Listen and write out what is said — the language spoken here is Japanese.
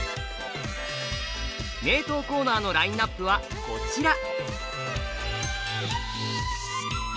名刀コーナーのラインナップはこちら。